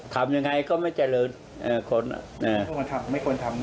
ทำยังไงก็ไม่เจริญเอ่อคนเอ่อไม่ควรทำ